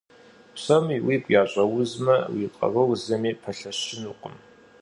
Псоми уигу ящӏэузмэ, уи къарур зыми пэлъэщынукъым.